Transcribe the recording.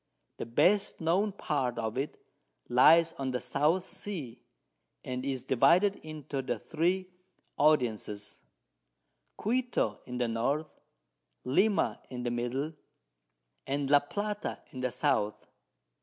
The best known Part of it lies on the South Sea, and is divided into the 3 Audiences of Quito in the North, Lima in the Middle, and La Plata in the South.